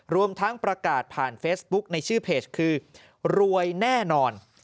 รวมทั้งประกาศผ่านเฟซบุ๊กในชื่อเพจคือรวยแน่นอน